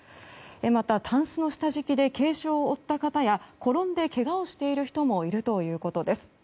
また、たんすの下敷きで軽傷を負った方や転んでけがをしている人もいるということです。